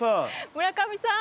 村上さん！